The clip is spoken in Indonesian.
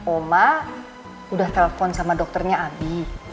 oma udah telpon sama dokternya abi